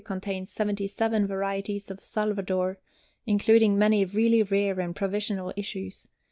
Contains 77 varieties of Salvador, including many really rare and provisional issues.